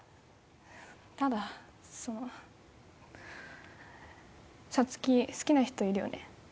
ただ、そのサツキ、好きな人いるよね。